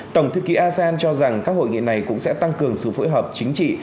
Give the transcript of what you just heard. tổng thư ký asean cho rằng các hội nghị này cũng sẽ tăng cường sự phối hợp chính trị